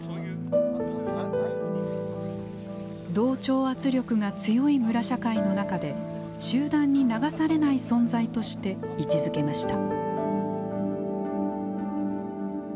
同調圧力が強い村社会の中で集団に流されない存在として位置づけました。